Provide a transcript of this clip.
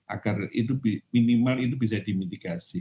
agar minimal itu bisa dimitigasi